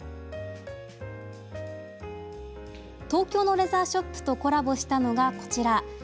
東京のレザーショップとコラボしたのが、こちら。